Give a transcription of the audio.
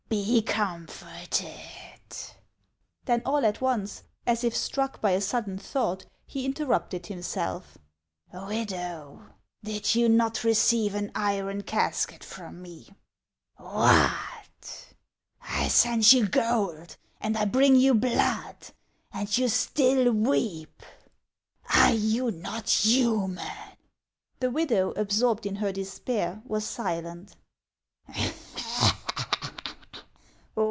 13e comforted !" Then all at once, as if struck by a sudden thought, he interrupted himself: "Widow, did you not receive an iron casket from me ? What ! I sent you gold and I bring you blood, and you still weep. Are you not human ?" The widow, absorbed in her despair, was silent.